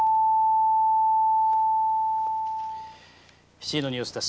「７時のニュース」です。